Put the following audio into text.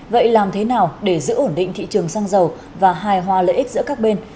vậy làm thế nào để giữ ổn định thị trường xăng dầu và hài hòa lợi ích giữa các bên